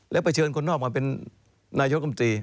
แล้วไปเชิญคนนอกมาเป็นนายกรรมตรี